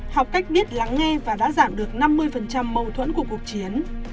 học cách biết lắng nghe và đã giảm được năm mươi mâu thuẫn của cuộc chiến